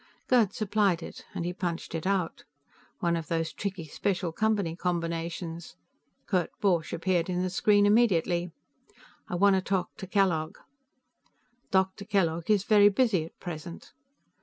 Gerd supplied it, and he punched it out. One of those tricky special Company combinations. Kurt Borch appeared in the screen immediately. "I want to talk to Kellogg." "Doctor Kellogg is very busy, at present."